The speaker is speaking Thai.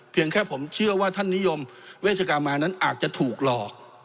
แค่ผมเชื่อว่าท่านนิยมเวชกรรมมานั้นอาจจะถูกหลอก